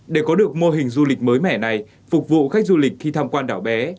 để có được mô hình du lịch mới mẻ này phục vụ khách du lịch khi tham quan đảo bé